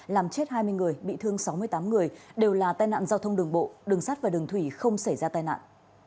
làm chết hai mươi người bị thương sáu mươi tám người đều là tai nạn giao thông đường bộ đường sắt và đường thủy không xảy ra tai nạn